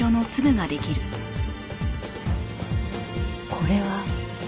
これは？